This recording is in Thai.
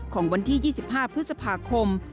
ของวันที่๒๕พฤษภาคม